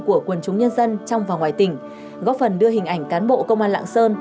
của quần chúng nhân dân trong và ngoài tỉnh góp phần đưa hình ảnh cán bộ công an lạng sơn